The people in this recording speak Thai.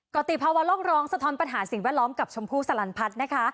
กรติภาวะโลกร้องสะท้อนปัญหาสิ่งแวดล้อมกับชมพู่สลันพัฒน์นะคะ